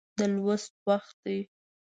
د لوست وخت دی